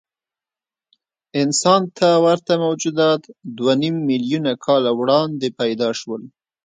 انسان ته ورته موجودات دوهنیم میلیونه کاله وړاندې پیدا شول.